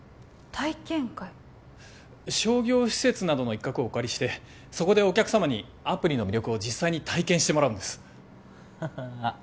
商業施設などの一角をお借りしてそこでお客様にアプリの魅力を実際に体験してもらうんですはっ